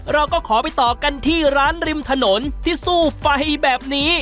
เราก็ขอไปต่อกันที่ร้านริมถนนที่สู้ไฟแบบนี้